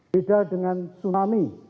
beda dengan tsunami